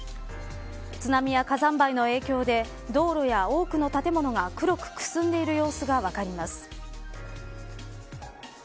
津波や火山灰の影響で道路や多くの建物が黒くくすんでいる様子が分かります。